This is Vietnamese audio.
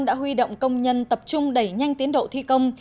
đã huy động công nhân tập trung đẩy nhanh tiến độ thi công